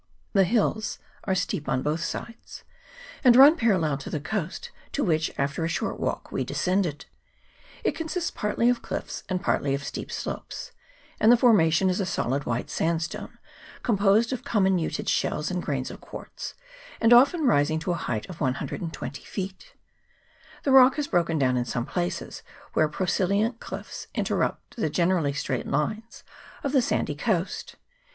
The hills are steep on both sides, and run parallel to the coast, to which, after a short walk, we de scended. It consists partly of cliffs and partly of steep slopes ; and the formation is a solid white sand stone, composed of comminuted shells and grains of CHAP. XXII.] COUNTRY NEAR AOTEA. 303 quartz, and often rising to a height of 120 feet. The rock has broken down in some places, where prosilient cliffs interrupt the generally straight lines of the sandy coast.